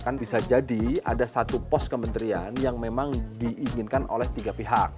kan bisa jadi ada satu pos kementerian yang memang diinginkan oleh tiga pihak